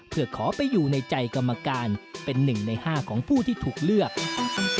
เพื่อขอไปอยู่ในใจกรรมการเป็น๑ใน๕ของผู้ที่ถูกเลือก